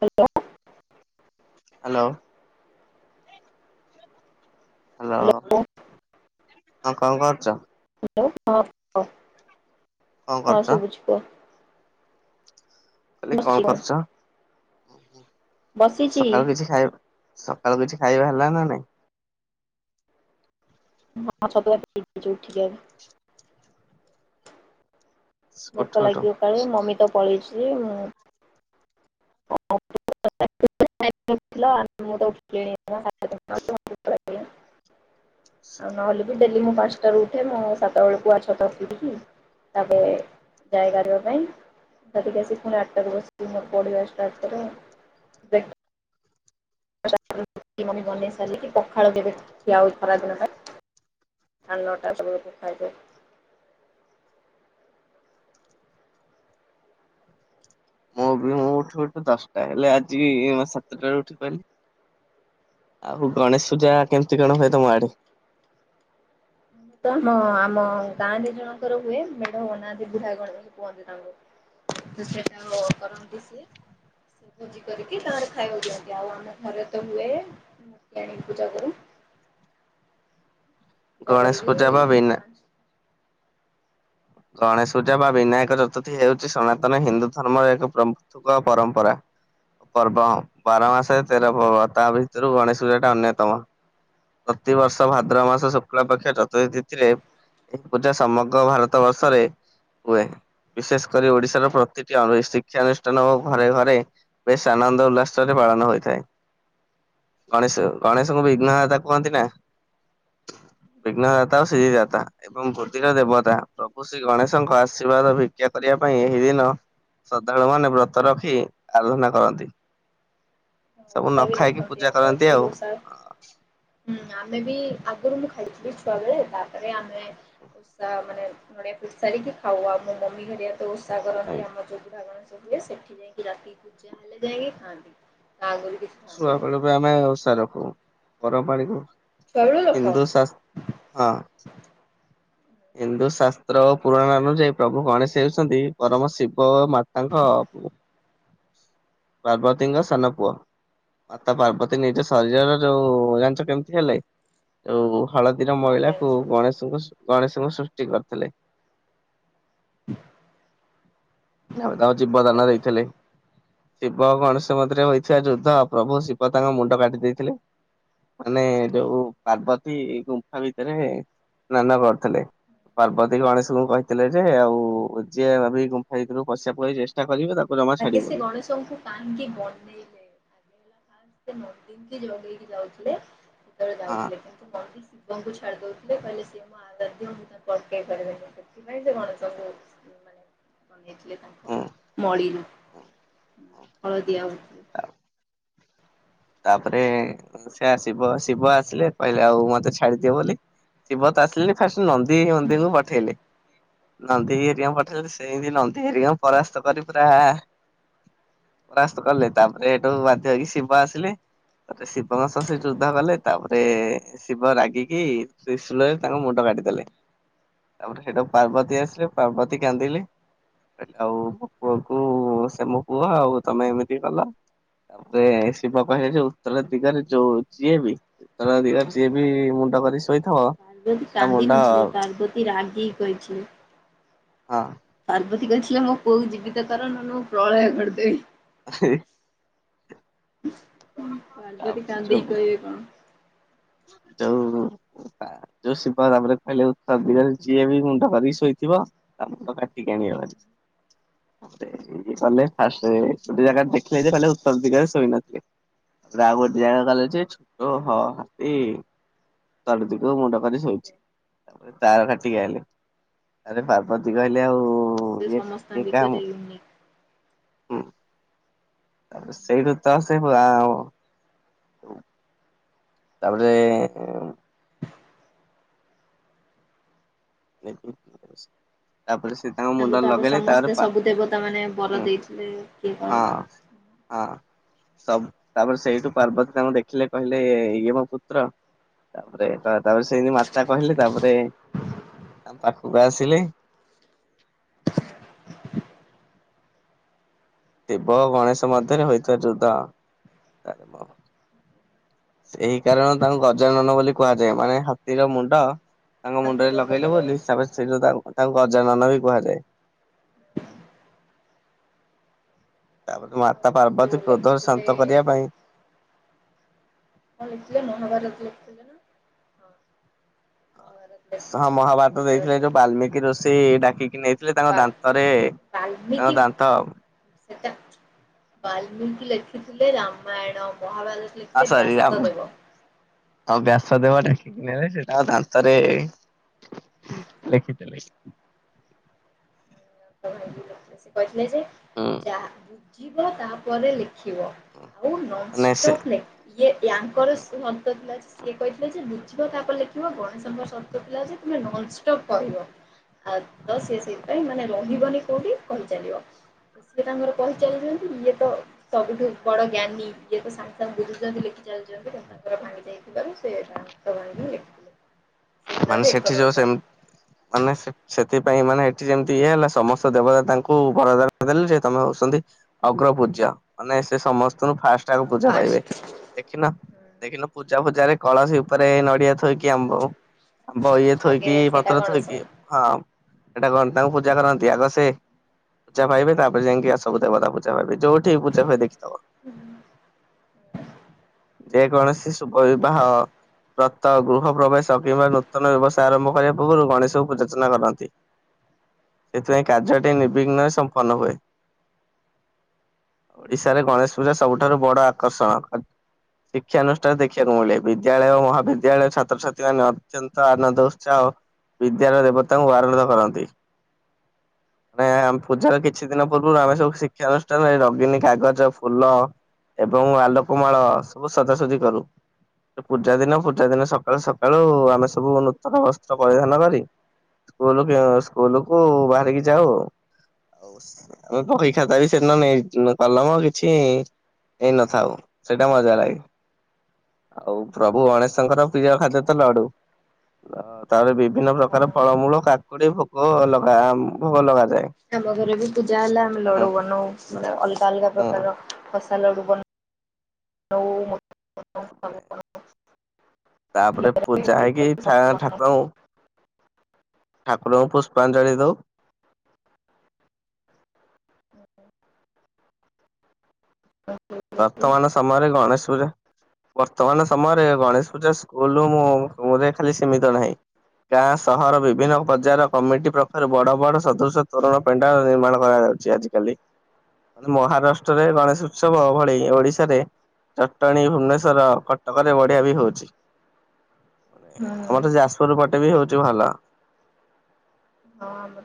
Hello. Hello. Hello hello ହଁ କଣ କରୁଚ? ହାଲୋ ହଁ କୁହ କଣ କରୁଛ ସବୁଚି କୁହ କହିଲେ ବସିଛି କଣ କୁହ କରୁଛ? ବସିଛି। ସକାଳୁ କିଛି ଖାଇବା ସକାଳୁ କିଛି ଖାଇବା ହେଲା ନା ନାଇଁ ହଁ ଛତୁଆ [unintelligible] ଉଠୁ ଭୋକ ଉଠୁ ଲାଗିବ କାଳେ ମମି ତ ପଳେଇଚି ମୁଁ [unintelligible] [unintelligible] [inaudible] ଆଉ ନହେଲେ ବି ଡେଲି ମୁଁ ପାଞ୍ଚଟ ର ଉଠେ ମୁଁ ସାତ ବେଳକୁୁଆ ଛ ତ ଆସିବି କି ତାପରେ ଜାଗାଗା ଯିବା ପାଇଁ ତା ଆସି ପୁଣି ଆଠଟା ବସି ପ ଆସ ତା ଭିତରେ [unintelligible] [unintelligible] ବନେଇ ସାରିଲି କି ପଖାଳ କେ ଏବେ ଠିଆ ହ ଖରାଦିନ ପାଇଁ ସ ନଟା ସବୁ କିଛି ଖାଇବେ [inaudible] ମୁଁ ବି ମୁଁ ଉଠି ଉଠ ଦଶଟା ହେଲେ ଆଜି ସାତଟ ଉଠି ପାରିଲି ଆଉ ଗଣେଶ ପୂଜା କେମତି କଣ ହୁଏ ତମ ଆଡେ ମୁ ତ ଆମ ଆମ ଗାଁ ଦି ଜଣଙ୍କର ହୁଏ ମେଢ ଅନାନ୍ତି ବୁଢଧ ଗଣ କୁହନ୍ତି ତାଙ୍କୁ ତ ସେଟା କରନ୍ତି ସେ ସେ ଭୋଜି କରିକି ତାରେ ଖାଇବାକୁ ଦିଅନ୍ତି ଆଉ ଆମ ଘରେ ତ ହୁଏ ଆଣିକି ପୂଜା କରୁ। [inaudible] ପୂଜା ଗଣେଶ କରିକି ପୂଜା ପା ବିନା ଗଣେଶୂଜା ବା ବିନାୟକ ଚତୁର୍ଥୀ ହେଉଛି ସନାତନ ହିନ୍ଦୁ ଧର୍ମର ଏକ ପ୍ରମୁକ ପରମ୍ପରା ପା ପର୍ବ ବାର ମାସରେ ତେର ପର୍ବ ତା ଭିତରୁ ଗଣେଶ ପୂଜା ଟା ଅନ୍ୟତମ ପ୍ରତି ବର୍ଷ ଭାଦ୍ରବ ମାସ ଶୁକ୍ଳ ପକ୍ଷ ଚତୁର୍ଥି ତିଥିରେ ଏହି ପୂଜା ସମଗ୍ର ଭାରତ । ତ ବର୍ଷରେ । ହୁଏ ବିଶେଷ କରି ଓଡିଶାର ପ୍ରତିଟି ଅ ଶିକ୍ଷାନୁଷ୍ଠାନ ଓ ଘରେ ଘରେ । ବେଶ ଆନନ୍ଦ ଉଲ୍ଲାସରେ ପାଳନ ହୋଇଥାଏ । ଗଣେଶ ଗଣେଶଙ୍କୁ ବିଘ୍ନ ଦାତା କୁହନ୍ତି ନା। ବିଘ୍ନ ଦାତା ଓ ଶ୍ରୀଦାତା ଏବଂ ବୁଦ୍ଧି ର ଦେବତା। ପ୍ରଭୁ ଶ୍ରୀ ଗଣେଶଙ୍କ ଆଶୀର୍ବାଦ ଭିକ୍ଷା କରିବା ପାଇଁ ଏହି ଦିନ। ଶ୍ରଦ୍ଧାଳୁମାନେବବ୍ରତ ରଖି ଆରାଧନା କରନ୍ତି। ସବୁ ନ ଓଷା ବି ଖାଇକି ରଖନ୍ତି ପୂଜା ଆମ ଏଠି କରନ୍ତି ବି ଆଉ। ଓଷା ହୁଁ ଆମେ ବି ଆଗରୁ ମୁଁ ଖାଇଥିଲି ଛୁଆ ବେଳେ ତାପରେ ଆମେ ଓଷା ମାନେ । ନଡ଼ିଆ ଫିଟି ସାରିକି ଖାଉ ଆଉ ମୋ ମମି ଘରିଆ ତ ଓଷା ନାଇଁ କରନ୍ତି ଆମ ଯୋଉ ବୁଢ଼ା ଗଣେଶ। ହୁଏ ସେଠି ଯାଇକି ରାତି କି ପୂଜା ହେଲେ ଯାଇଁକି ଖାଆନ୍ତି ତାଆଗରୁ । ଛୁଆବେଳୁ ବି ଆମେ ଓଷା ରଖୁ ଗରମ ପାଣିକୁ। ଛୁଆବେଳୁ ଲୋକ ହିନ୍ଦୁ ଶାସ୍ ହଁ। ହିନ୍ଦୁ ଶାସ୍ତ୍ର ଓ ପୁରାଣ ଅନୁଯାୟୀ ପ୍ରଭୁ ଗଣେଶ ହେଉଛନ୍ତି ପରମ ଶିବ ମାତାଙ୍କ ପାର୍ବତୀ ଙ୍କ ସାନ ପୁଅ। ମାତା ପାର୍ବତୀ ନିଜ ଶରୀରର ରୁ ଜାଣିଚ କେମିତି ହେଲେ ଯୋଉ । ହଳଦୀର ହଁ ମଇଳାକୁ ଗଣେଶଙ୍କୁ ଗଣେଶଙ୍କୁ ସୃଷ୍ଟି କରିଥିଲେ। [inaudible] ତାପରେ ତାଙ୍କୁ ଜୀବ ଦାନ ଜାଣିଛି। ଦେଇଥିଲେ ଶିବ ଗଣେଶଙ୍କ ମଧ୍ୟରେ ହୋଇଥିବା ଯୁଦ୍ଧ । ପ୍ରଭୁ ଶିବ ତାଙ୍କ ମୁଣ୍ଡ କାଟି ଦେଇଥିଲେ। ମାନେ ଯୋଉ ପାର୍ବତୀ ଗୁମ୍ଫା ଭିତରେ ସ୍ନାନ କରୁଥିଲେ। ପାର୍ବତୀ ଗଣେଶଙ୍କୁ କହିଥିଲେ ଯେ ଆଉ ଯିଏ ଭି ଗୁମ୍ଫା ଭିତରକୁ ପସିବା ପାଇଁ ଚେଷ୍ଟା କରିବେ ତାକୁ । ଆଗେ ସେ ଗଣେଶ ଙ୍କୁ କାହିଁକି ବନେଇଲେ। ଆଗେ ହେଲା ଫାଷ୍ଟ ସେ ନନ୍ଦୀଙ୍କି ଜଗେଇକି ଯାଉଥିଲେ । ଯେତେ ବେଳେ ହଁ ଯାଉଥିଲେ କିନ୍ତୁ ନନ୍ଦୀ ଶିବଙ୍କୁ ଛାଡି ଦଉଥିଲେ କହିଲେ । ସିଏ ମୋ ଆରାଧ୍ୟ ମୁଁ ତାଙ୍କୁ ଅଟକେଇ ପାରିବନି ସେଥିପାଇଁ ସେ ଗଣେଶ ଙ୍କୁ ମାନେ। ବନେଇଥିଲେ ତାଙ୍କ ହୁଁ ମଳି ରୁ ହଳଦିଆ ଲଗାଉଥିଲେ । ତାପରେ ସେ ଆ ଶିବ ଶିବ ଆସିଲେ କହିଲେ ଆଉ ମତେ ଛାଡିଦିଅ ବୋଲି। ଶିବତ ଆସିଲେନି ଫାଷ୍ଟ ନନ୍ଦୀ ହିଁ ନନ୍ଦି ଙ୍କୁ ପଠେଇଲେ। ନନ୍ଦୀ ହେରୀକା ଙ୍କୁ ପଠେଇ ଲେ ସେମତି ନନ୍ଦୀ ହେରିକା ଙ୍କୁ ପରାସ୍ତ କରି ପୁରା। ପରାସ୍ତ କଲେ ତାପରେ ହେଠୁଁ ବାଧ୍ୟ ହୋଇକି ଶିବ ଆସିଲେ। ତା ପରେ ଶିବ ଙ୍କ ସହ ସେ ଯୁଦ୍ଧ କଲେ ତାପରେ ଶିବ ରାଗିକି ତ୍ରୀଶୁଳ ରେ ତାଙ୍କ ମୁଣ୍ଡ କାଟ କାଟି ଦେଲେ ତାପରେ ହେଠୁ ପାର୍ବତୀ ଆସିଲେ ପାର୍ବତୀ କାନ୍ଦିଲେ । କହିଲେ ଆଉ ମୋ ପୁଅକୁ ସେ ମୋ ପୁଅ ଆଉ ତମେ ଏମିତି କଲ। ତା ପରେ। ଶିବ କହିଲେ ଜେ ଉତ୍ତର ଦିଗରେ ଯୋଉ ଯିଏ ବି ଉତ୍ତର ଦିଗରେ ଯିଏ ବି ମୁଣ୍ଡ କରି ଶୋଇଥିବ ପାର୍ବତୀ ତା କାନ୍ଦି ମୁଣ୍ଡ ନଥିଲେ ପାର୍ବତୀ ରାଗୀ କି କହିଥିଲେ। ହଁ। ପାର୍ବତୀ କହିଥିଲେ ମୋ ପୁଅକୁ ଜିବିତ କର ନହେଲେ ମୁଁ ପ୍ରଳୟ କରିଦେବି। [unintelligible] ପାର୍ବତି ତାପରେ କନ୍ଦିକି ଯୋଉ କହିବେ କଣ? ଯୋଉ। ଯୋଉ ଶିବ ତପରେ କହିଲେ ଉତର ଦଗରେ ଯିଏ ବି ମୁଣ୍ଡ କରିକି ଶୋଇଥିବ ତା ମୁଣ୍ଡ କାଟିକି ଆଣିବ ଭାରି। ତାପରେ ଇଏ ଗଲେ ଫାଷ୍ଟ ଗୋଟେ ଜାଗା ରେ ଦେଖିଲେ ଯେ କହିଲେ ଉତ୍ତର ଦିଗରେ ଶୋଇ ନଥିଲେ। ତା ପରେ ଆଉ ଗୋଟେ ଜାଗା ଗଲେଯେ ଛୋଟ ହ ହାତୀ। ଉତର ଦିଗକୁୁ ମୁଣ୍ଡ କରି ଶୋଇଛି ତାପରେ ତାର କାଟିକି ଆଇଲେ। ଆରେ ପାର୍ବତୀ କହିଲେ ଆଉ ସେ ଇଏ ସମସ୍ତଙ୍କ ଭିତରେ ୟୁନିକ। ହୁଁ ତା ପରେ ସେଇଠୁ ତା ସେଇ ଆ ମ । ତାପରେ ତାପରେ ସେ ତାଙ୍କ ତାଙ୍କୁ ମୁଣ୍ଡରେ ତାପରେ ଲଗେଇଲେ ସମସ୍ତେ ପା ସବୁ ଦେବତା ମାନେ ବର ହୁଁ ଦେଇଥିଲେ। କିଏ କଣ ହଁ ହଁ। ସବୁ ତାପରେ ସେଇଠୁ ପାର୍ବତୀ ତାଙ୍କୁ ଦେଖିଲେ କହିଲେ ଇଏ ମୋ ପୁତ୍ର। ତାପରେ ସେ ପେମିତି ମାତା କହିଲେ ତାପରେ ତାଙ୍କ ପାଖକୁ ଆସିଲେ। [unintelligible] ଶିବ ଓ ଗଣେଶ ମଧ୍ୟରେ ହୋଇଥିବା ଯୁଦ୍ଧା ର ମ ସେଇ କାରଣରୁ ତାଙ୍କୁ ଗଜାନନ ବୋଲି କୁହାଯାଏ। ମାନେ ହାତୀର ମୁଣ୍ଡ ତାଙ୍କ ମୁଣ୍ଡରେ ହାତରେ ଲଗେଇଲେ ମୁଣ୍ଡ ବୋଲି ଲାଗୁଛି। ତାପରେ ସେ ତାଙ୍କୁ ଗଜାନନ ବୋଲି କୁହାଯାଏ। [unintelligible] [unintelligible] ତାପରେ ଆଉ ମାତା ସେ ଯୋଉ ପାର୍ବତୀ କ୍ରୋଧରେ ଲେଖୁଥିଲେ ଶାନ୍ତ କରିବା ପାଇଁ ନ ହେବାର ଥିବ ହଁ ମହାଭାରତ ଦେଇଥିଲେ ଯେତେବେଳେ ଏଯେଉଁ କହୁଥିଲେ ବାଲ୍ମୀକି ଋଷି ଡାକିକି ନେଇଥିଲେ ତାଙ୍କ ବା ଦାନ୍ତରେ ବାଲ୍ମିକି ତାଙ୍କ ଦାନ୍ତ ଆଉ। ସେଟା ବାଲ୍ମୀକି ଲେଖିଥି ଲେଖିଥିଲେ ରାମାୟଣ ମହାଭାରତ ଆ ଲେଖିଥଲେ ସରି ରାମ ବ୍ୟାସଦେବ। ଆଉ ବ୍ୟାସ ଦେବ ଡାକିକି ନେଲେ ସେ ତାଙ୍କ ଦାନ୍ତରେ ଲେଖିଥିଲେ [unintelligible] ଭାଇ ସେ କହିଥିଲେ ଯେ ହୁଁ ଯାହା ବୁଝିବ ତାପରେ ଲେଖିବ। ଆଉ ମାନେ ସେ ନନଷ୍ଟପ୍ ନାଇଁ ୟେ ୟାଙ୍କର ସର୍ତ ଥିଲା ଯେ ସେ କହିଥିଲେ ଯେ ଖିବ ତାପରେ ଲେଖିବ। ଗଣେଶଙ୍କ ସର୍ତ ଥିଲା ଯେ ତମେ ନନଷ୍ଟପ କହିବ। ଆଉ ତ ସିଏ ସେଇଥିପାଇଁ ମାନେ ରହିବନି କେଉଁଠି କହିଚାଲିବ। ସିଏ ତାଙ୍କର କହିଚାଲିଛନ୍ତି ଇଏତ ସବୁଠାରୁ ବଡଜ୍ଞାନୀ ଇଏତ ସାଙ୍ଗେ ସାଙ୍ଗେ ବୁଝୁଛନ୍ତି ଲେଖି ଯାଉଛନ୍ତି ସେ ତାଙ୍କର ଭାଙ୍ଗି ଦେଇଥିବାରୁ ସେ ଦାନ୍ତ ଭାଙ୍ଗି ଲେଖିଲେ ମାନେ ସେଠି ଯେଉଁ ସେମ ମାନେ ସେଠ ସେଠ ସେଥିପାଇଁ ଏମାନେ ଏଠିଁ ଯେମିତି ଇଏ ହେଲା ସମସ୍ତ ଦେବତା ତାଙ୍କୁ ବରଦାନ ଦେଲେ ଯେ ତୁମେ ହେଉଛନ୍ତି ଅଗ୍ରପୁ ଜ୍ୟ ମାନେ ସେ ସମସ୍ତଙ୍କୁ ଫାଷ୍ଟ ଆଗ ହଁ ପୂଜା ପାଇବେ। ଫାଷ୍ଟ। ଦେଖିନ? ଦେଖିନ ପୂଜା ଫୁଜାରେ କଳସି ଉପରେ ନଡ଼ିଆ ଥୋଇକି ଆମ୍ବ ଓ ଆମ୍ବ ଇଏ ଆଗେ ଥୋଇକି ସେଇଟା ପତ୍ର ଥୋଇକି ଗଣେଶ। ହଁ ଏଟା କରନ୍ତି ତାଙ୍କୁ ପୂଜା କରନ୍ତି ଆଗ ସେ ପୂଜା ପାଇବେ ତାପରେ ଯାଇଁକି ସବୁ ଦେବତା ପୂଜା ପାଇବେ। ଯେଉଁଠି ପୂଜା ହୁଏ ଦେଖିଥିବ ଯେ କୌଣସି ଶୁଭ ବିବାହ ବ୍ରତ ଗୃହ ପ୍ରବେଶ କିମ୍ବା ନୂତନ ବ୍ୟବସାୟ ଆରମ୍ଭ କରିବା ପୂର୍ବରୁ ଗଣେଶଙ୍କୁ ପୂଜା ଅର୍ଚ୍ଚନା କରନ୍ତି। ସେଥିପାଇଁ କାର୍ଯ୍ୟଟି ନିର୍ବିଘ୍ନରେ ସମ୍ପନ୍ନ ହୁଏ। ଓଡିଶାରେ ଗଣେଶ ପୂଜା ସବୁଠାରୁ ବଡ ଆକର୍ଷଣ। ଶିକ୍ଷାନୁଷ୍ଠାନ ଦେଖିବାକୁ ମିଳେ ବିଦ୍ୟାଳୟ ଓ ମହାବିଦ୍ୟାଳୟ ଛାତ୍ରଛାତ୍ରୀ ମାନେ ଅତ୍ୟନ୍ତ ଆନନ୍ଦ ଉତ୍ସାହ ବିଦ୍ୟାର ଦେବତାଙ୍କୁ ଆନନ୍ଦ କରନ୍ତି। ମାନେ ପୂଜାର କିଛି ଦିନ ପୂର୍ବରୁ ଆମେ ସବୁ ଶିକ୍ଷାନୁଷ୍ଠାନରେ ରଙ୍ଗିନୀ କାଗଜ ଫୁଲ ଏବଂ ଆଲୋକ ମାଳ ସବୁ ସଜାସଜି କରୁ। ପୂଜା ଦିନ ପୂଜା ଦିନ ସକାଳୁ ସକାଳୁ ଆମେ ସବୁ ନୂତନ ବସ୍ତ୍ର ପରିଧାନ କରି ସ୍କୁଲ ସ୍କୁଲକୁୁ ବାହାରିକି ଯାଉ। ଆମେ ବହି ଖାତା ବି ସେଦିନ ନେଇ କଲମ କିଛି ନେଇ ନ ଥାଉ ସେଇଟା ମଜା ଲାଗେ। ଆଉ ପ୍ରଭୁ ଗଣେଶଙ୍କର ପ୍ରିୟ ଖାଦ୍ୟ ତ ଲଡୁ। ତାପରେ ବିଭିନ୍ନ ପ୍ରକାର ଫଳମୂଳ କାକୁଡି ଭୋଗ ଲଗା ଭୋଗ ଲଗା ଆମ ଘରେ ବି ପୂଜା ହେଲା ଆମେ ଲଡୁ ବନାଉ ମାନେ ଅଲଗା ଅଲଗା ହୁଁ ପ୍ରକାର ଖସା ଲଡୁ ବନଉ ମୋଦକ ତାପରେ ପୂଜା ହେଇକି ତ ଠା ଠାକୁରଙ୍କୁ ଠାକୁରଙ୍କୁ ପୁଷ୍ପାଞ୍ଜଳି ଦେଉ। ବର୍ତ୍ତମାନ ସମୟରେ ଗଣେଶ ପୂଜା। ବର୍ତ୍ତମାନ ସମୟରେ ଗଣେଶ ପୂଜା ସ୍କୁଲ ମୁଁ ଖାଲି ସୀମିତ ନାହିଁ। ଗାଁ ସହର ବିଭିନ୍ନ ପର୍ଯ୍ୟାୟର କମିଟି ପକ୍ଷରୁ ବଡ ବଡ ସଦୃଶ୍ୟ ତୋରଣ ପେଣ୍ଡାଲ ନିର୍ମାଣ କରାଯାଏ । ଆଜି ଆଜିକାଲି ମହାରାଷ୍ଟ୍ରରେ ଗଣେଶ ଉତ୍ସବ ଭଳି ଓଡିଶାରେ ଜଟଣୀ ଭୁବନେଶ୍ୱର କଟକରେ ବଢିଆ ବି ହଉଛି। ଆମର ତ ଯାଜପୁର ପଟେ ବି ହଉଛି ଭଲ। ହଁ ମ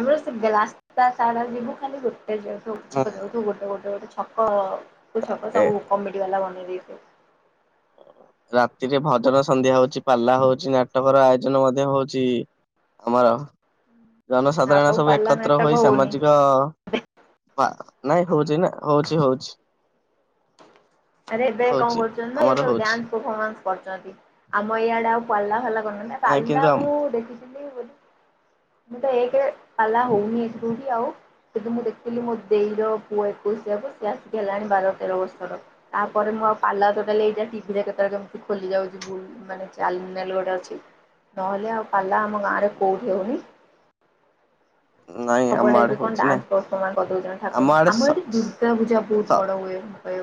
ଆମର ସେ ଗଲାସ୍ତା ସାା ଯିବୁ ଖାଲି ଗ ାଉ ହୁଁ ଛକ ଯୁ ଗୋଟେ ଗୋଟେ ଗୋଟେ ଛକ କୁ ଛକ ତାପରେ ସବୁ କମିଟି ବାଲା ବନେଇଦ ରାତିରେ ଭଜନ ସନ୍ଧ୍ୟା ହଉଛି ପାଲା ହଉଛିି ନାଟକ ର ଆୟୋଜନ ମଧ୍ୟ ହଉଛି ଆମର ଜନସାଧାରଣ ଆଉ ସବୁ ପାଲା ଏକତ୍ର ନାଟକ ହୋଇ ହଉନି। ସାମାଜିକ ନାଇଁ ହଉଛି ନା ହଉଛି ହଉଛି ଆରେ ଏବେ କଣ ହଉଛି କରୁଛନ୍ତି ନା ଏ ଆମର ସବୁ ହଉଛି ଡନ୍ସଫମାନ୍ସ କରୁଛନ୍ତି ଆମ ଇଆଡେ ଆଉ ନାଇଁ ପାଲିଲା କିନ୍ତୁ ଆମ ମୁଁ ଦେଖିଥିଲି ବୋଲି ମୁଁ ତ ଏ କେ କଲା ହଉନି ଜରୁଠ ଆଉ କିନ୍ତୁ ମୁଁ ଦେଖିଲି ମୋ ଦେଇ ର ପୁଅ ଏକୋଇଶିଆବ ସିଏ ଆସିକି ହେଲାଣି ବାର ତେର ବର୍ଷର ତାପରେ ମୁଁ ଆଉ ପାର୍ଲ ତଟେ ନେଇଯାଏ ଟିଭି କେତେବେଳେ କେମିତି ଖୋଲି ଯାଉଛି ଭୁଲ ମାନେ ଚାଲଲ ଗୋଟେ ଅଛି ନହଲେ ଆଉ କଲ ଆମ ଆରେ କଡିନି ନାଇଁ ଆମ ସବୁଡେ ଆଡେ ଏବେ କଣ ହଉଛି ନା ଡନ୍ସମାସ କରିଦଉଛନ୍ତି ଠାର ଆମ ଆଡେ ସ ଆମର ଏଠି ଦୁର୍ଗା ପୂଜା ବହୁତ ସ ବଡ ହୁଏ ଭ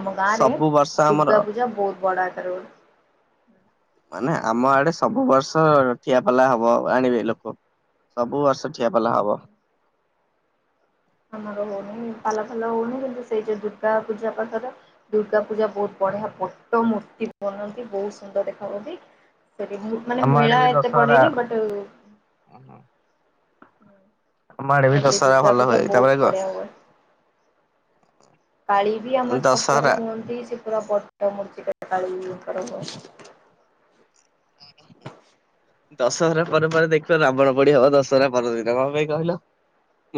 ଆମ ଗାଁ ରେ ସବୁ ବର୍ଷ ଆମର ଦୁର୍ଗା ପୂଜା ବହୁତ ବଡ ଅଛି କର ବଷ ଠିଆପଲା ହବ ଆଣିବେ ଲୋକ ସବୁ ବର୍ଷ ଠିଆପଲା ହବ ହ ମର ହଉନହିଁ ପାଲା ଫାଲା ହଉନହିଁ ସେଇ ଯୋଉ ଦୁର୍ଗା ପୂଜା ପାଖରେ ଦୁର୍ଗା ପୂଜା ବହୁତ ବଢିଆ ପୋଟ ମୂର୍ତ୍ତି ବନନ୍ତି ବହୁତ ସୁନ୍ଦର ଦେଖା ହାଉନ୍ତି ମାନେ ଆମ ଆଡେ ମେଳା ବି ଏତେ ଦଶହରା ପଡେନି ବଟ ଏବେ ବି ଆମର ସେଇ ଦଶହରା ଦୁର୍ଗା ଭଲ ପୂଜା ହୁଏ ତାପରେ ବହୁତ ଗ ବଢିଆ ହୁଏ କାଳି ବି ଆମ ମାନେ ଛକରେ ଦଶହରା ହୁଅନ୍ତି ସେ ପୁରା ପଟ ମୁଡ଼ିଚ କଲି କର ଦଶହରା ପରେ ପରେ ଦେଖିବ ରାବଣ ପୋଡି ହବ ଦଶହରା ପରଦିନ ମ ପାଇଁ କହିଲ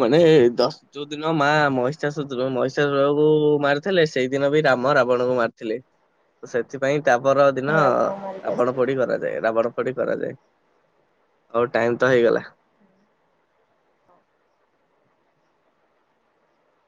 ମାନେ ଦଶ ଯୋଉ ଦିନ ମା ମହିଷା ମହିଷାସ ରକୁ ମାରିଥିଲେ ସେଇଦିନ ବି ରାମ ରାବଣଙ୍କୁ ମାରିଥିଲେ ସେଥିପାଇଁ ତାପର ଦିନ ରାବଣ ମାରିକି ରାବଣ ଆସିଥିଲେ। ପୋଡି କରାଯାଏ ରାବଣ ପୋଡି କରାଯାଏ ହଉ ଟାଇମ ତ ହେଇଗଲା